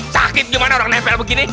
sakit gimana orang nempel begini